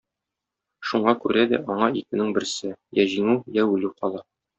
Шуңа күрә дә аңа икенең берсе: я җиңү, я үлү кала.